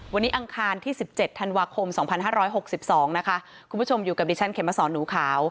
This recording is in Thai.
วันนี้อังคารที่สิบเจ็ดธันวาคมสองพันห้าร้อยหกสิบสองนะคะคุณผู้ชมอยู่กับดิชันเขมสอนหนูขาว